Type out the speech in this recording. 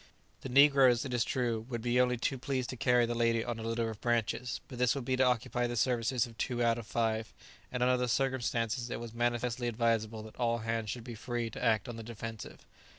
The negroes, it is true, would be only too pleased to carry the lady on a litter of branches, but this would be to occupy the services of two out of five, and under the circumstances it was manifestly advisable that all hands should be free to act on the defensive.